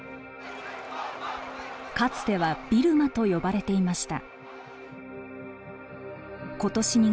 かつてはビルマと呼ばれていました。